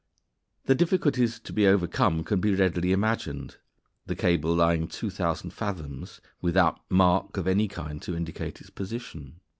The difficulties to be overcome can be readily imagined, the cable lying 2,000 fathoms without mark of any kind to indicate its position.